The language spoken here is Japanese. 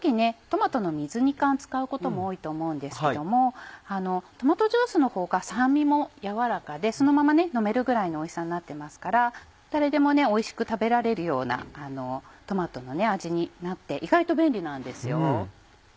トマトの水煮缶使うことも多いと思うんですけどもトマトジュースのほうが酸味もやわらかでそのまま飲めるぐらいのおいしさになってますから誰でもおいしく食べられるようなトマトの味になって意外と便利なんですよ。